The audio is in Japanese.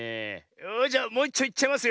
よしじゃもういっちょいっちゃいますよ！